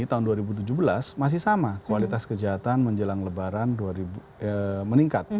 tahun dua ribu tujuh belas masih sama kualitas kejahatan menjelang lebaran meningkat